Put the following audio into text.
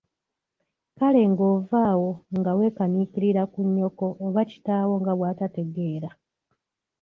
Kale ng'ova awo nga weekaniikiririra ku nnyoko oba kitaawo nga bwatategeera.